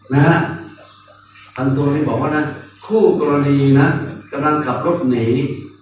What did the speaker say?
พันธุปฏิบัติบัติบอกว่าคู่กรณีกำลังขับรถหนี